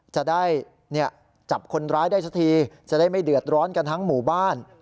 จะได้จับคนร้ายได้สักทีจะได้ไม่เดือดร้อนกันทั้งหมู่บ้าน